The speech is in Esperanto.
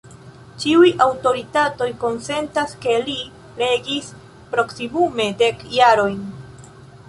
Ĉiuj aŭtoritatoj konsentas ke li regis proksimume dek jarojn.